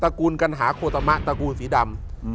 ๓ตระกูลกัณหาโฆษมะตระกูลสีดำ